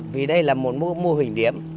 vì đây là một mô hình điểm